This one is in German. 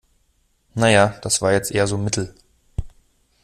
Na ja, das war jetzt eher so mittel.